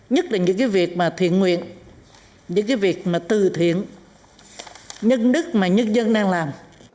nhất là những cái việc mà thiện nguyện những cái việc mà từ thiện nhân đức mà nhân dân đang làm